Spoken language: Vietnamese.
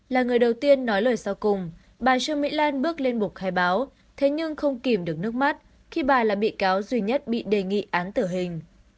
là người đầu tiên nói lời sau cùng bà trương mỹ lan bước lên bục khai báo thế nhưng không kìm được nước mắt khi bà là bị cáo duy nhất bị đề nghị án tử hình